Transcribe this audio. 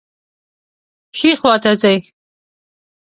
ښي خواته ځئ